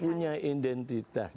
harus punya identitas